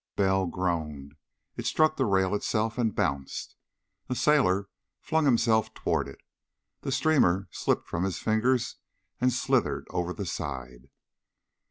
Bell groaned. It struck the rail itself, and bounced. A sailor flung himself toward it. The streamer slipped from his fingers and slithered over the side.